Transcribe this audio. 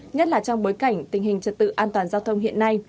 nhất là trong bối cảnh tình hình trật tự an toàn giao thông hiện nay